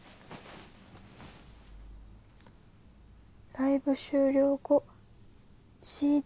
「ライブ終了後ＣＤ